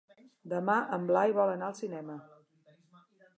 Demà en Blai vol anar al cinema.